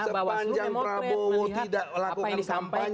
bawaslu demokrat melihat apa yang disampaikan